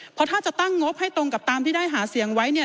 เพราะถ้าจะตั้งงบให้ตรงกับตามที่ได้หาเสียงไว้เนี่ย